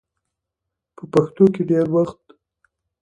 په پښتو کې ډېر وخت